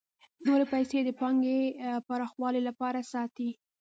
نورې پیسې د پانګې پراخوالي لپاره ساتي